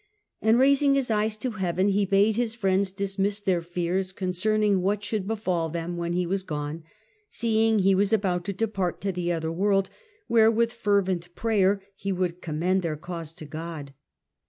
And raising his eyes to heaven, he bade his friends dismiss their fears concerning what should befall them when he was gone, seeing he was about to depart to the other world, where, with fervent prayer, he would commend their cause to God.